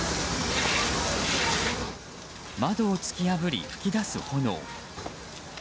窓を突き破り、噴き出す炎。